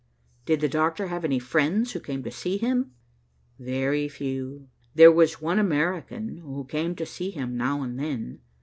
"Did the doctor have any friends who came to see him?" "Very few. There was one American who came to see him now and then.